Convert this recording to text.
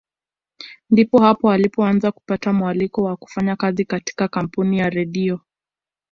Ndipo hapo alipoanza kupata mwaliko wa kufanya kazi katika kampuni ya Redio